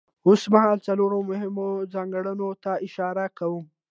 اوسمهال څلورو مهمو ځانګړنو ته اشاره کوم.